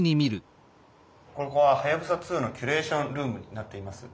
ここははやぶさ２のキュレーションルームになっています。